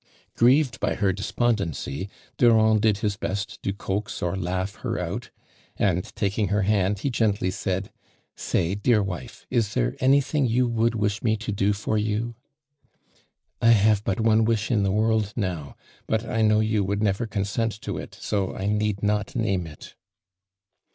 '" Grieved by her despondency, Dunind did his best to coax or laugh her out and taking her hand he gently said : "Say, dear wife, is there anything you would wish me to do for yoii'?" " 1 have but one wish in the world now, but I know you would never t'onsont to it, so 1 need not name it."